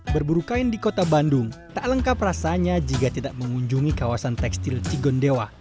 berburu kain di kota bandung tak lengkap rasanya jika tidak mengunjungi kawasan tekstil cigondewa